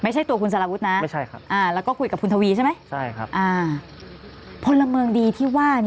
ไม่ใช่ตัวคุณสารวุฒินะแล้วก็คุยกับคุณทวีใช่ไหมอ่าคุณสารวุฒินะไม่ใช่ครับ